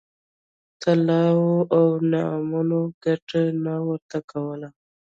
طلاوو او انعامونو ګټه نه ورته کوله.